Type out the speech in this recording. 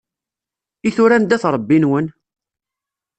I tura anda-t Ṛebbi-nwen?